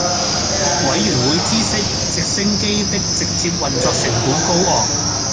委會員知悉直升機的直接運作成本高昂